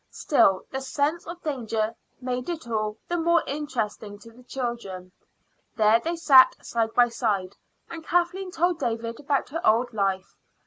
Still, the sense of danger made it all, the more interesting to the children. There they sat side by side, and Kathleen told David about her old life.